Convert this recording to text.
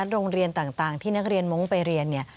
โรงเรียนต่างที่นักเรียนมงค์ไปเรียนเนี่ย